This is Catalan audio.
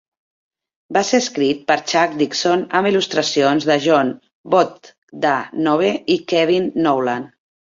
Va ser escrit per Chuck Dixon, amb il·lustracions de Jon Bogdanove i Kevin Nowlan.